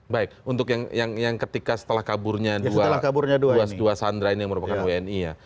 baik untuk yang ketika setelah kaburnya dua sandra ini yang merupakan wni ya